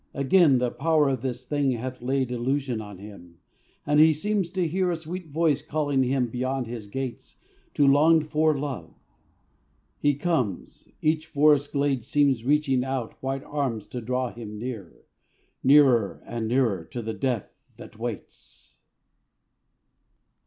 Again the power of this thing hath laid Illusion on him: and he seems to hear A sweet voice calling him beyond his gates To longed for love; he comes; each forest glade Seems reaching out white arms to draw him near Nearer and nearer to the death that waits.